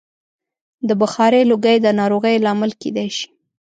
د بخارۍ لوګی د ناروغیو لامل کېدای شي.